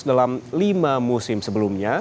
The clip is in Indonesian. dalam lima musim sebelumnya